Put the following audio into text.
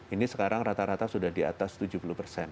ini sekarang rata rata sudah diatur